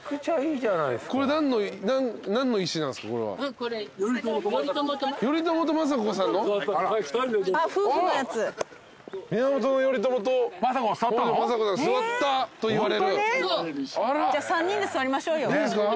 じゃあ３人で座りましょうよ。